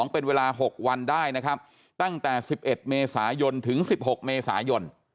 เป็นเวลา๖วันได้นะครับตั้งแต่๑๑เมษายนถึง๑๖เมษายน